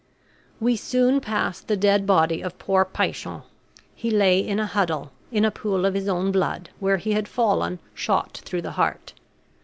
We soon passed the dead body of poor Paishon. He lay in a huddle, in a pool of his own blood, where he had fallen, shot through the heart.